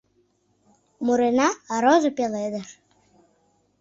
Мурена — роза пеледыш